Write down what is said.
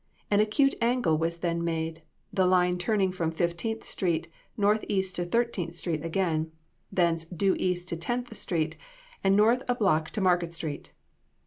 An acute angle was then made, the line turning from Fifteenth street northeast to Thirteenth street again; thence, due east to Tenth street, and north a block to Market street.